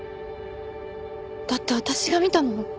だって私が見たのは。